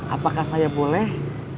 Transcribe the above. apakah saya boleh